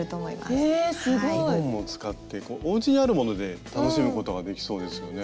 リボンも使っておうちにあるもので楽しむことができそうですよね。